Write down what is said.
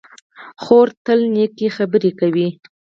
خور تل نېکې خبرې کوي.